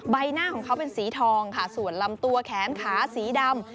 ใบหน้าของเขาเป็นสีทองค่ะส่วนลำตัวแขนขาสีดำ